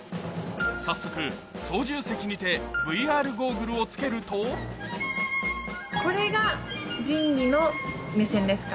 早速操縦席にてＶＲゴーグルを着けるとこれが人機の目線ですか？